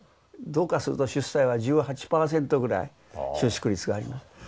どうかすると出西は１８％ぐらい収縮率があります。